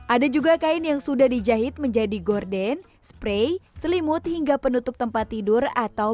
ada juga kain yang sudah dijahit menjadi gorden spray selimut hingga penutup tempat tidur atau